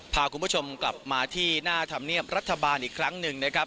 พาคุณผู้ชมกลับมาที่หน้าธรรมเนียบรัฐบาลอีกครั้งหนึ่งนะครับ